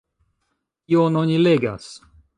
Kion oni legas?